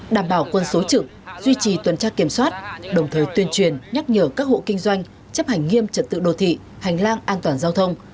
đảm bảo quân số trực duy trì tuần tra kiểm soát đồng thời tuyên truyền nhắc nhở các hộ kinh doanh chấp hành nghiêm trật tự đô thị hành lang an toàn giao thông